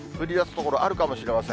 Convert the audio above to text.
所あるかもしれません。